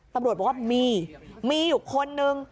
ตำรวจบอกว่ามีมีอยู่คนนึง